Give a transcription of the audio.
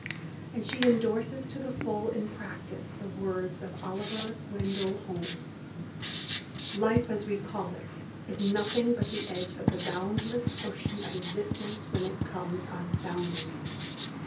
And she endorses to the full, in practice, the words of Oliver Wendell Holmes: Life, as we call it, is nothing but the edge of the boundless ocean of existence when it comes on soundings.